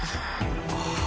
ああ。